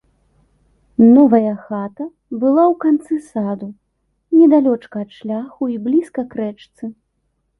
Новая хата была ў канцы саду, недалёчка ад шляху і блізка к рэчцы.